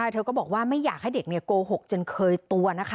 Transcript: เธอก็บอกว่าไม่อยากให้เด็กโกหกจนเคยตัวนะคะ